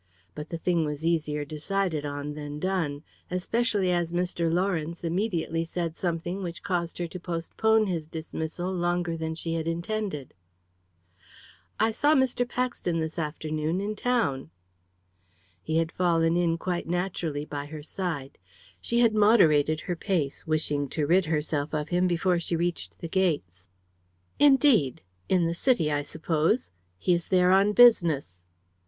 But the thing was easier decided on than done. Especially as Mr. Lawrence immediately said something which caused her to postpone his dismissal longer than she had intended. "I saw Mr. Paxton this afternoon, in town." He had fallen in quite naturally by her side. She had moderated her pace, wishing to rid herself of him before she reached the gates. "Indeed! In the City, I suppose? He is there on business."